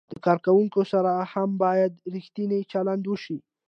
له کارکوونکو سره هم باید ریښتینی چلند وشي.